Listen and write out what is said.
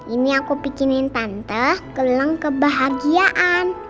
ini aku bikinin tante gelang kebahagiaan